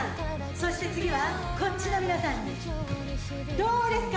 そして次はこっちの皆さんにどうですか？